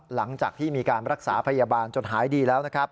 หลังจากที่มีการรักษาพยาบาลจนหายดีแล้วนะครับ